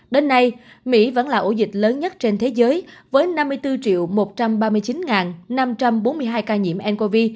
đến nay mỹ vẫn là ổ dịch lớn nhất trên thế giới với năm mươi bốn một trăm ba mươi chín năm trăm bốn mươi hai ca nhiễm ncov